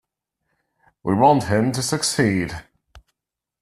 We want him to succeed.